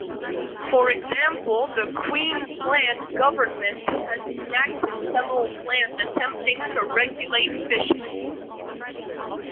For example, the Queensland Government has enacted several plans attempting to regulate fishing.